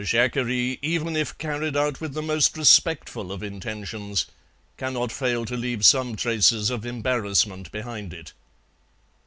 A jacquerie, even if carried out with the most respectful of intentions, cannot fail to leave some traces of embarrassment behind it.